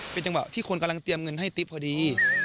เป็นจังหวะที่คนกำลังเตรียมเงินให้ติ๊บพอดี